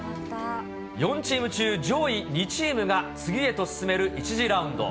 ４チーム中上位２チームが次へと進める１次ラウンド。